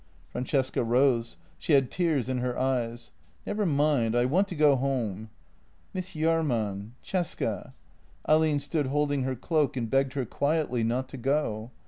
Francesca rose. She had tears in her eyes. " Never mind. I want to go home." "Miss Jahrman — Cesca." Ahlin stood holding her cloak and begged her quietly not to go.